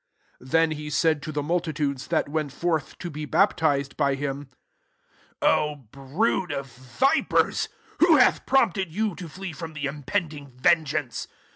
'* 7 Then he said to the mul titudes that went forth to be baptized by him, " O brood of vipers, who hath prompted you to flee from the ^impending ven geance